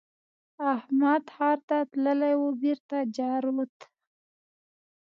احمد ښار ته تللی وو؛ بېرته جارووت.